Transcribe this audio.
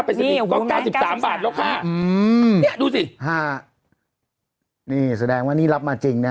แปดสิบบาทลูกค่ะเนี้ยดูสิห้านี่แสดงว่านี่รับมาจริงน่ะ